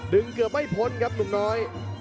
เกือบไม่พ้นครับลุงน้อย